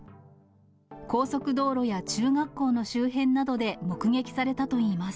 高速道路や中学校の周辺などで目撃されたといいます。